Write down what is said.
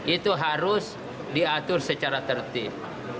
itu harus diatur secara tertib